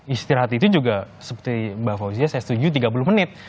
istirahat itu juga seperti mbak fauzia saya setuju tiga puluh menit